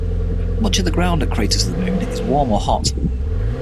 Much of the ground at Craters of the Moon is warm or hot.